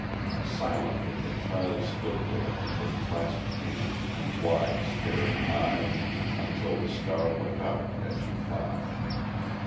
Silently the child stood there, with clasped hands and wide, staring eyes, until the star went out, as she thought.